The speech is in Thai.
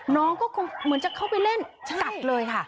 น้องก็คงเหมือนจะเข้าไปเล่นกัดเลยค่ะ